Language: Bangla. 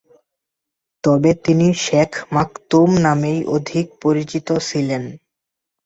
তবে তিনি শেখ মাকতুম নামেই অধিক পরিচিত ছিলেন।